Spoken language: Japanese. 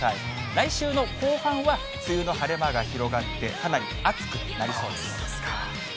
来週の後半は、梅雨の晴れ間が広がってかなり暑くなりそうです。